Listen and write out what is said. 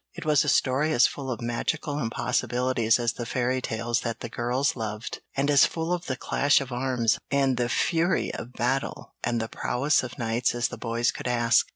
It was a story as full of magical impossibilities as the fairy tales that the girls loved, and as full of the clash of arms, and the fury of battle, and the prowess of knights as the boys could ask.